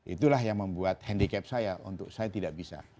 itulah yang membuat handicap saya untuk saya tidak bisa